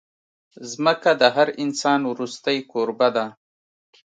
ځمکه د هر انسان وروستۍ کوربه ده.